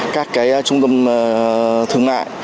các cái trung tâm thương mại